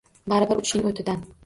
Bari bir, uchishning o’tidan